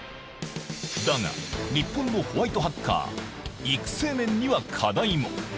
だが、日本のホワイトハッカー、育成面には課題も。